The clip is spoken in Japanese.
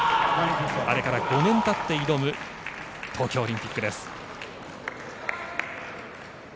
あれから５年たって挑む東京オリンピックです。